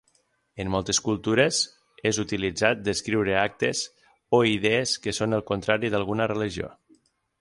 En moltes cultures, és utilitzat descriure actes o idees que són al contrari d'alguna religió.